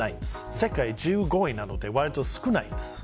世界１５位なので割と少ないです。